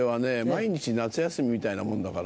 毎日夏休みみたいなもんだからね。